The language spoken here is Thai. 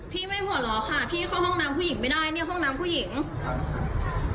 ไม่หัวเราะค่ะพี่เข้าห้องน้ำผู้หญิงไม่ได้เนี่ยห้องน้ำผู้หญิงครับ